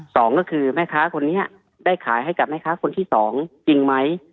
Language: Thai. สองก็คือแม่ค้าคนนี้ได้ขายให้กับแม่ค้าคนที่สองจริงไหม